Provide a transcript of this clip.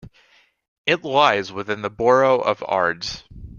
It lies within the Borough of Ards.